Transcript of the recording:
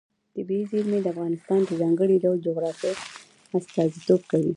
طبیعي زیرمې د افغانستان د ځانګړي ډول جغرافیه استازیتوب کوي.